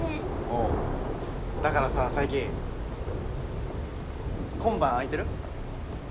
おうだからさ佐伯今晩空いてる？